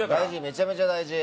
めちゃめちゃ大事。